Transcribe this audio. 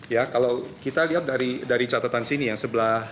ya kalau kita lihat dari catatan sini yang sebelah